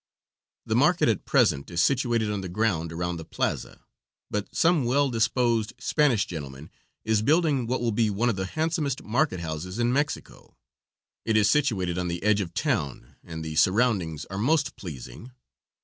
The market at present is situated on the ground around the plaza, but some well disposed Spanish gentleman is building what will be one of the handsomest market houses in Mexico. It is situated on the edge of town, and the surroundings are most pleasing.